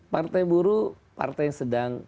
partai buruh partai yang sedang